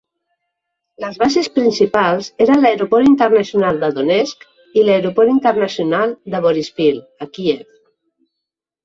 Les bases principals eren l'aeroport internacional de Donetsk i l'aeroport internacional de Boryspil a Kíev.